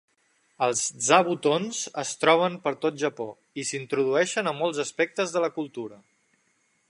Els zabutons es troben per tot Japó i s"introdueixen a molts aspectes de la cultura.